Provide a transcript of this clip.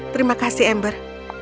terima kasih amber